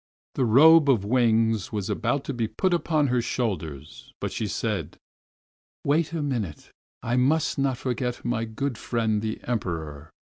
The robe of wings was about to be put upon her shoulders, but she said: "Wait a little. I must not forget my good friend the Emperor.